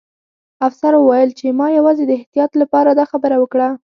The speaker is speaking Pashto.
افسر وویل چې ما یوازې د احتیاط لپاره دا خبره وکړه